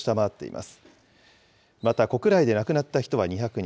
また、国内で亡くなった人は２００人。